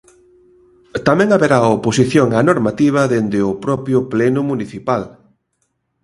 Tamén haberá oposición á normativa dende o propio pleno municipal.